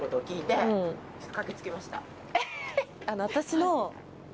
私の。